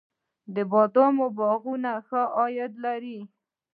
د بادامو باغونه ښه عاید لري؟